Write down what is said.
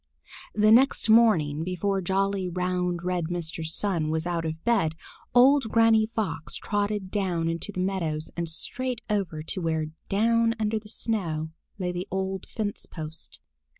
The next morning, before jolly, round, red Mr. Sun was out of bed, old Granny Fox trotted down on to the meadows and straight over to where, down under the snow, lay the old fence post.